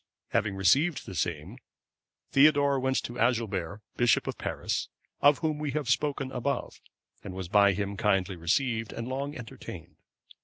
Having received the same, Theodore went to Agilbert, bishop of Paris,(530) of whom we have spoken above, and was by him kindly received, and long entertained.